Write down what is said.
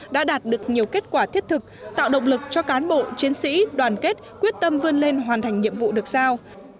đã đạt được nhiều kết quả thiết thực tạo động lực cho cán bộ chiến sĩ đoàn kết quyết tâm vươn lên hoàn thành nhiệm vụ được sao